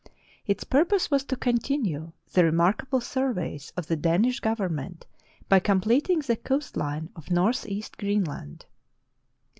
Its purpose was to continue the remarkable surveys of the Danish government by com pleting the coast line of northeast Greenland.